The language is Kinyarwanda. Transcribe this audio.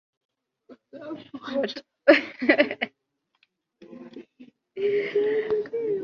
ubumenyi ni ijisho ry'ibyifuzo kandi birashobora kuba umuderevu w'ubugingo